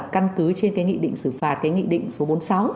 căn cứ trên cái nghị định xử phạt cái nghị định số bốn mươi sáu